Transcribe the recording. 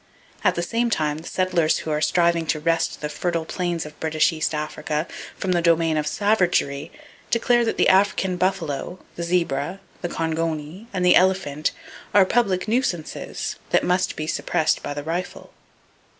At the same time, the settlers who are striving to wrest the fertile plains of B.E.A, from the domain of savagery declare that the African buffalo, the zebra, the kongoni and the elephant are public nuisances that must be suppressed by the rifle.